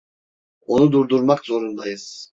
Onu durdurmak zorundayız.